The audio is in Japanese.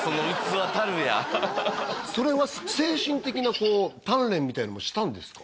それは精神的な鍛錬みたいなのもしたんですか？